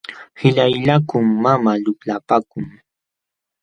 Qillaylaykum mamaa lulapankun.